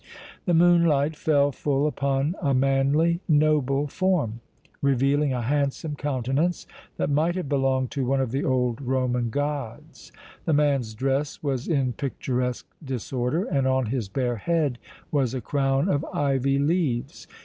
The moonlight fell full upon a manly, noble form, revealing a handsome countenance that might have belonged to one of the old Roman gods. The man's dress was in picturesque disorder and on his bare head was a crown of ivy leaves.